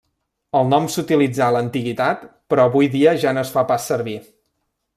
El nom s'utilitzà a l'antiguitat però avui dia ja no es fa pas servir.